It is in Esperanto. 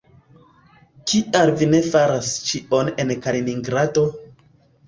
Kial vi ne faras ĉion en Kaliningrado?